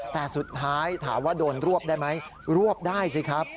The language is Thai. แต่สุดท้ายถามว่าโดนรวบได้ไหมรวบได้สิครับ